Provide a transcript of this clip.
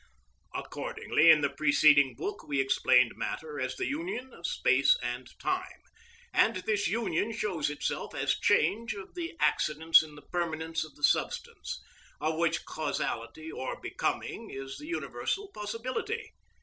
Accordingly, in the preceding book we explained matter as the union of space and time, and this union shows itself as change of the accidents in the permanence of the substance, of which causality or becoming is the universal possibility.